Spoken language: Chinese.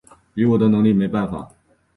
以我的能力没办法